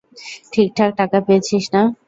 ঠিকঠাক টাকা পেয়েছিস না?